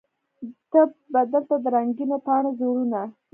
ته به دلته د رنګینو پاڼو زړونه